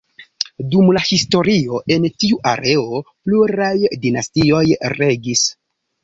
Dum la historio en tiu areo pluraj dinastioj regis.